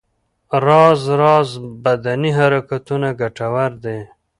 راز راز بدني حرکتونه ګټور دي.